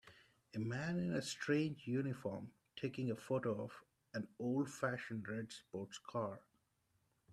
A man in a strange uniform taking a photo of an oldfashioned red sports car.